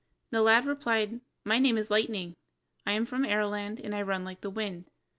And the lad replied: "My name is Lightning, I am from Arrowland, and I can run like the wind."